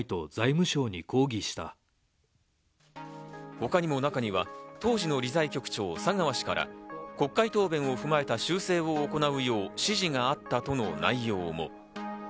他にも中には当時の理財局長・佐川氏から国会答弁を踏まえた修正を行うよう指示があったとの内容も。